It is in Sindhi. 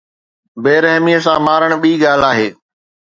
بي رحميءَ سان مارڻ ٻي ڳالهه آهي.